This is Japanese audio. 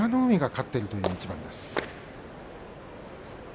勝っているという一番です。